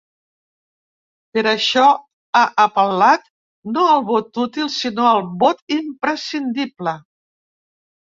Per això ha apel·lat ‘no al vot útil, sinó al vot imprescindible’.